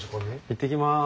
行ってきます。